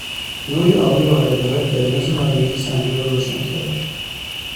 نوری آبی با رگههای قرمز و نارنجی صحنه را روشن کرده